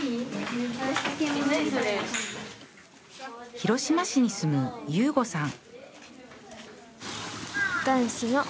広島市に住む悠悟さん